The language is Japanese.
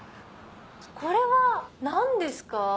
これは何ですか？